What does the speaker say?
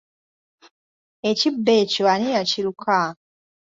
Ekibbo ekyo ani yakiruka?